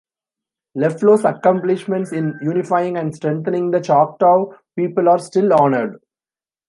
LeFlore's accomplishments in unifying and strengthening the Choctaw people are still honored.